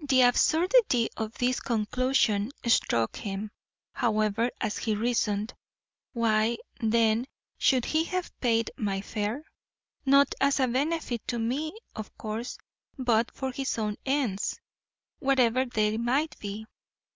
The absurdity of this conclusion struck him, however, as he reasoned: "Why, then, should he have paid my fare? Not as a benefit to me, of course, but for his own ends, whatever they might be.